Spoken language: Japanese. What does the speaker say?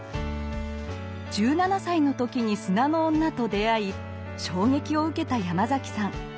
１７歳の時に「砂の女」と出会い衝撃を受けたヤマザキさん。